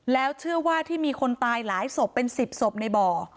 แล้วเชื่อว่าที่มีคนตายหลายศพเป็น๑๐ศพในบ่อ